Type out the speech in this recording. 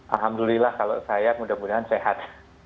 alhamdulillah kalau saya mudah mudahan sehat